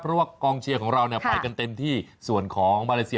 เพราะว่ากองเชียร์ของเราไปกันเต็มที่ส่วนของมาเลเซีย